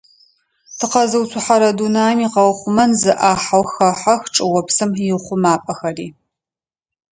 Тыкъэзыуцухьэрэ дунаим икъэухъумэн зы ӏахьэу хэхьэх чӏыопсым иухъумапӏэхэри.